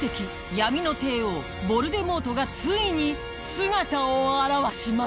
闇の帝王ヴォルデモートがついに姿を現します